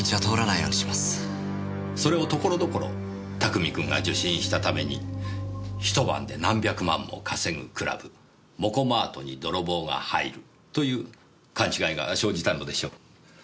それをところどころ拓海君が受信したために「一晩で何百万も稼ぐクラブ」「モコマートに泥棒が入る」という勘違いが生じたのでしょう。